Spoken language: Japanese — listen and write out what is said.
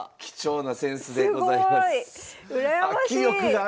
貴重な扇子でございます。